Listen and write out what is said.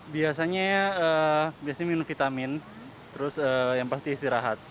biasanya minum vitamin terus yang pasti istirahat